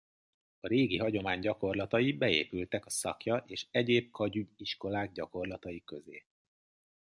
A régi hagyomány gyakorlatai beépültek a szakja és egyéb kagyü iskolák gyakorlatai közé.